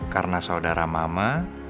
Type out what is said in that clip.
karena saudara mama